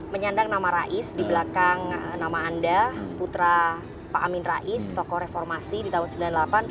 menyandang nama rais di belakang nama anda putra pak amin rais tokoh reformasi di tahun seribu sembilan ratus sembilan puluh delapan